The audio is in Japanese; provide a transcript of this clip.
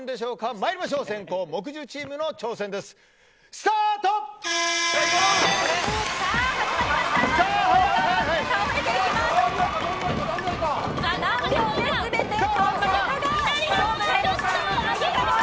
まいりましょう先攻木１０チームの挑戦です始まりました。